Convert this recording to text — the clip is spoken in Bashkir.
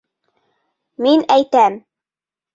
Мин әйтәм!